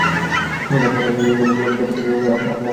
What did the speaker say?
কালে গোপনেচ্ছার প্রতিক্রিয়াও আপনার উপর আসিয়া পড়ে।